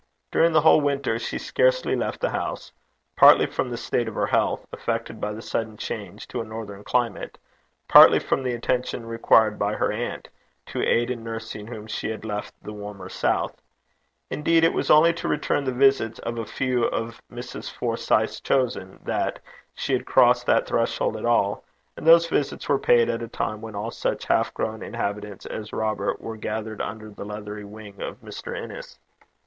During the whole winter she scarcely left the house, partly from the state of her health, affected by the sudden change to a northern climate, partly from the attention required by her aunt, to aid in nursing whom she had left the warmer south. Indeed, it was only to return the visits of a few of Mrs. Forsyth's chosen, that she had crossed the threshold at all; and those visits were paid at a time when all such half grown inhabitants as Robert were gathered under the leathery wing of Mr. Innes.